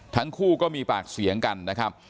ทั้งคู่ก็มีปากเสียงกันนะครับ